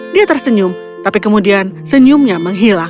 dia tersenyum tapi kemudian senyumnya menghilang